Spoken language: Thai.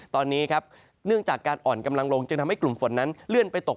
ตอนนี้ครับเนื่องจากการอ่อนกำลังลงจึงทำให้กลุ่มฝนนั้นเลื่อนไปตก